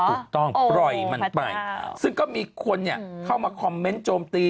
ถูกต้องปล่อยมันไปซึ่งก็มีคนเข้ามาคอมเม้นต์โจมตี